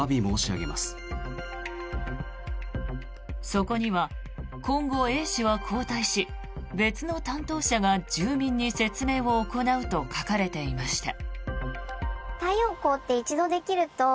そこには今後Ａ氏は交代し別の担当者が住民に説明を行うと書かれていました。